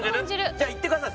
じゃあいってください